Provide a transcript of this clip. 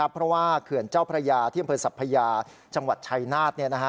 เพราะว่าเขื่อนเจ้าพระยาเที่ยงบริษัทพระยาจังหวัดชัยนาธ